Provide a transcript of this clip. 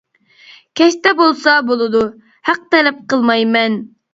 كەچتە بولسا بولىدۇ، ھەق تەلەپ قىلمايمەن.